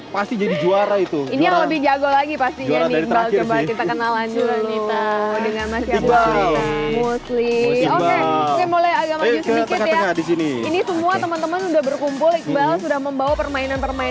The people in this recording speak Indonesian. pasti jadi juara itu ini lebih jago lagi pastinya kita kenalan dulu dengan masyarakat muslim mulai